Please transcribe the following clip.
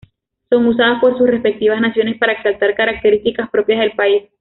Son usadas por sus respectivas naciones para exaltar características propias del país.